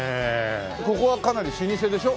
ここはかなり老舗でしょ？